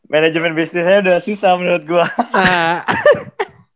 manajemen bisnisnya udah susah menurut gue